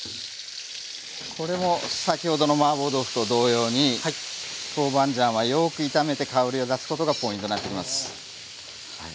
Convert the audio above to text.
これも先ほどのマーボー豆腐と同様にトーバンジャンはよく炒めて香りを出すことがポイントになってきます。